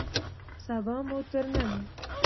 سبا مو تر نن